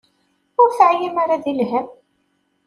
Ur teɛyim ara di lhemm?